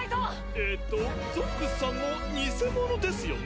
えっとゾックスさんも偽者ですよね？